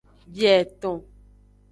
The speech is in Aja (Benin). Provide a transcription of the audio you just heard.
Bieton.